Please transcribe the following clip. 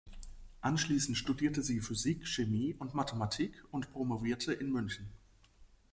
Anschließend studierte sie Physik, Chemie und Mathematik und promovierte in München.